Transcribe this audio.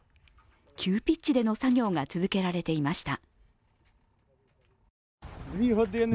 急ピッチでの作業が続けられていました。